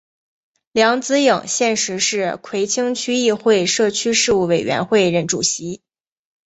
梁子颖现时是葵青区议会社区事务委员会任主席。